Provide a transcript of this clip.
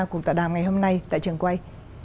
cùng tạm đàm ngày hôm nay tại trường quay